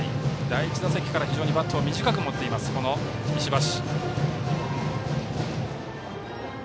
第１打席から非常にバットを短く持っています、石橋。